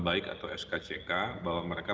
baik atau skck bahwa mereka